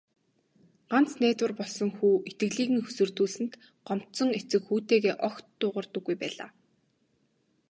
Ганц найдвар болсон хүү итгэлийг нь хөсөрдүүлсэнд гомдсон эцэг хүүтэйгээ огт дуугардаггүй байлаа.